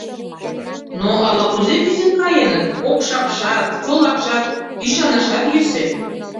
Но ала-кузе кӱзен каеныт, окшакшат, чолакшат, ӱшанашат йӧсӧ.